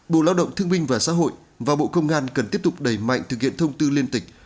bộ lao động thương minh và xã hội và bộ công an cần tiếp tục đẩy mạnh thực hiện thông tư liên tịch